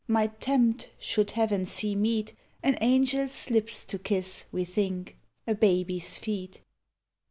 Might tempt, should Heaven see meet, An angel's lips to kiss, we think, A baby's feet.